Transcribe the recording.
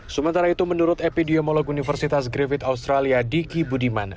sementara itu menurut epidemiolog universitas griffith australia diki budiman